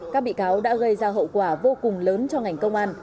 các bị cáo đã gây ra hậu quả vô cùng lớn cho ngành công an